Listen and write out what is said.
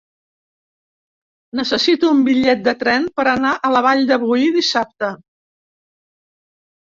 Necessito un bitllet de tren per anar a la Vall de Boí dissabte.